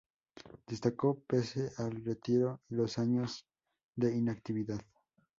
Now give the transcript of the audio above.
Destacó pese al retiro y los años de inactividad.